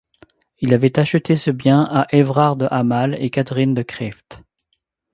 Il avait acheté ce bien à Everard de Hamal et Catherine de Creeft.